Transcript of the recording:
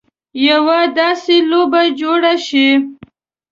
یوه داسې لوبه جوړه شي.